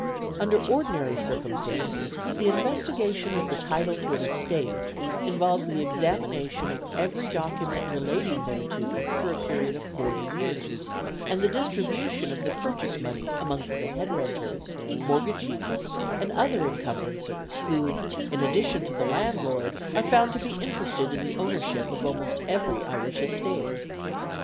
Under ordinary circumstances the investigation of the title to an estate involves the examination of every document relating thereto for a period of forty years, and the distribution of the purchase money amongst the head renters, mortgagees, and other encumbrancers, who, in addition to the landlord, are found to be interested in the ownership of almost every Irish estate.